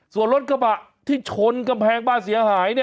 ส่วนรถกระบะที่ชนกำแพงบ้านเสียหาย